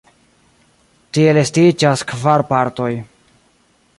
Tiel estiĝas kvar partoj.